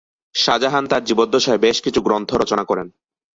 শাহজাহান তার জীবদ্দশায় বেশ কিছু গ্রন্থ রচনা করেন।